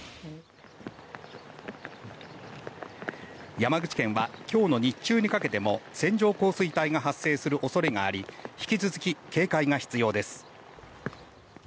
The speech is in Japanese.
山口県は今日の日中にかけても線状降水帯が発生する恐れがあり引き続き警戒が必要です。